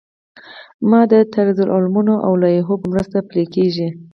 دا د طرزالعملونو او لوایحو په مرسته پلی کیږي.